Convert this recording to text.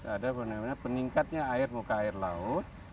ada fenomena peningkatnya air muka air laut